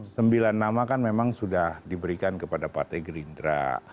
sembilan nama kan memang sudah diberikan kepada partai gerindra